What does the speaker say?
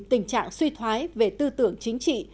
tình trạng suy thoái về tư tưởng chính trị